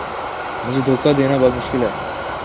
مجھے دھوکا دینا بہت مشکل ہے